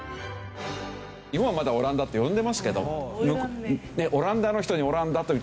日本はまだオランダって呼んでますけどオランダの人にオランダと言っちゃダメ。